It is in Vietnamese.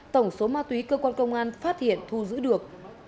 tổng số ma túy cơ quan công an phát hiện thu giữ được